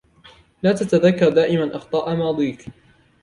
لا تتذكر دائما أخطاء ماضيك.